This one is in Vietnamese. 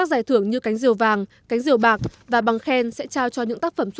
nga tuyển phi công vũ trụ cho sứ mệnh chinh phục mặt trăng